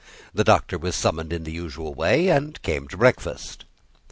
The Doctor was summoned in the usual way, and came to breakfast.